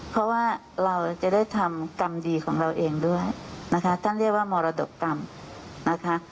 เพราะว่าเราจะได้ทำกรรมดีของเราเองด้วยนะคะท่านเรียกว่ามรดกกรรมนะคะ